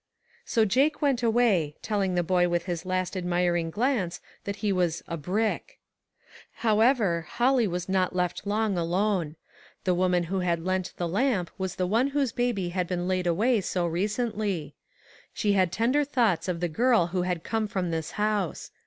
So Jake went away, telling the boy with his last admiring glance that he was "a brick." However, Holly was not left long alone. The woman who had lent the lamp was the one whose baby had been laid away so recently. She had tender thoughts of the girl who had come from this house.